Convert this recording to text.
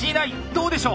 どうでしょう？